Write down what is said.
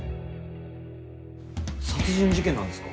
殺人事件なんですか？